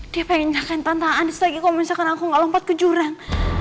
dia pengen nyakain tante anis lagi kalo misalkan aku gak lompat ke jurang